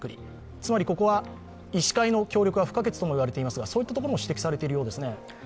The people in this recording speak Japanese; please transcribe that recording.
つまりここは、医師会の協力が不可欠と言われていますがそういったところも指摘されているようですね？